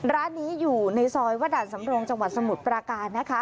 ร้านนี้อยู่ในซอยวัดด่านสำรงจังหวัดสมุทรปราการนะคะ